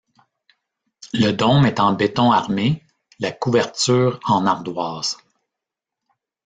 Le dôme est en béton armé, la couverture en ardoise.